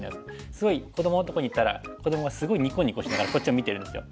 すごい子どものところに行ったら子どもがすごいニコニコしながらこっちを見てるんですよ。